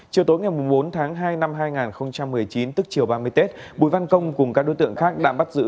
chiều tối ngày bốn tháng hai năm hai nghìn một mươi chín tức chiều ba mươi tết bùi văn công cùng các đối tượng khác đã bắt giữ